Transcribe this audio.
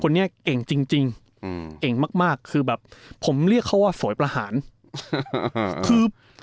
คนนี้เก่งจริงจริงอืมเก่งมากมากคือแบบผมเรียกเขาว่าฝอยประหารคือ